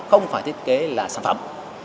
không phải thiết kế là sản phẩm